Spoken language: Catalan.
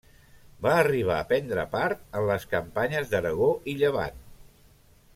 Va arribar a prendre part en les campanyes d'Aragó i Llevant.